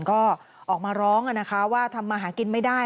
ก็ออกมาร้องว่าทำมาหากินไม่ได้